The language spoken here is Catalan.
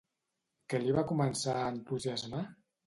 Què li va començar a entusiasmar?